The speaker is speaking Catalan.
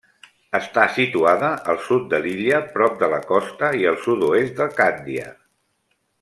Està situada al sud de l'illa, prop de la costa, i al sud-oest de Càndia.